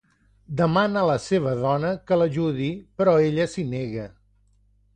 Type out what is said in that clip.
Demana a la seva dona que l’ajudi però ella s’hi nega.